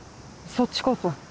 そっちこそ。